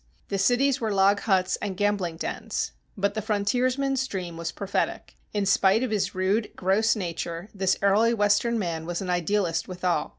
The cities were log huts and gambling dens. But the frontiersman's dream was prophetic. In spite of his rude, gross nature, this early Western man was an idealist withal.